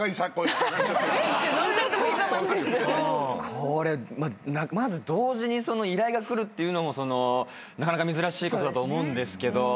これまず同時に依頼が来るっていうのもなかなか珍しいことだと思うんですけど。